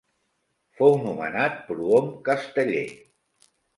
Fou nomenat Prohom Casteller.